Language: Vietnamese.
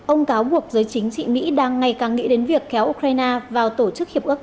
ông cáo buộc giới chính trị mỹ đang ngày càng nghĩ đến việc kéo ukraine vào tổ chức hiệp ước